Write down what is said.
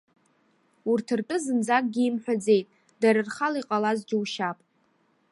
Урҭ ртәы зынӡа акгьы имҳәаӡеит, дара рхала иҟалаз џьушьап.